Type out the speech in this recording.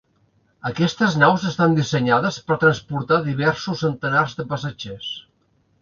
Aquestes naus estan dissenyades per transportar diversos centenars de passatgers.